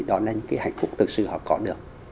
đó là những cái hạnh phúc thực sự họ có được